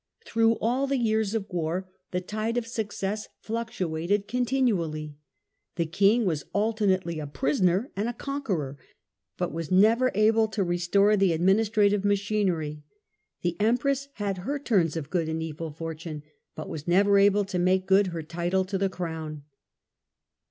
Through all the years of war the tide of success fluctuated continually. "The king was alternately a prisoner and a conqueror, but was never able to restore the administrative machinery; the empress had her turns of good and evil fortune, but was never able to make good her title to the crown."